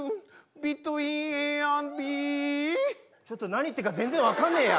ちょっと何言ってるか全然分かんねえや。